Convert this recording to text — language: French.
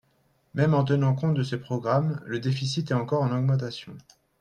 Même en tenant compte de ce programme, le déficit est encore en augmentation.